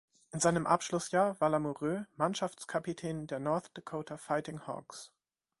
In seinem Abschlussjahr war Lamoureux Mannschaftskapitän der "North Dakota Fighting Hawks".